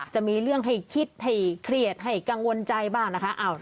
จะมีเรื่องให้คิดให้เครียดให้กังวลใจบ้างนะคะ